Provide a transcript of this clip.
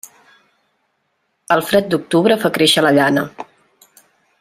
El fred d'octubre fa créixer la llana.